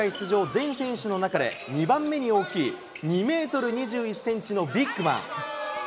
全選手の中で、２番目に大きい、２メートル２１センチのビッグマン。